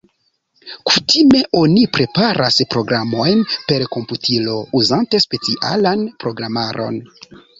Kutime oni preparas programojn per komputilo uzante specialan programaron.